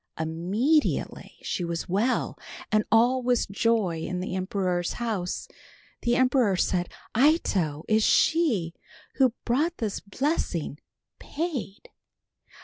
Immediately she was well and all was joy in the emperor's house. The emperor said, "Ito, is she, who brought this blessing, paid?"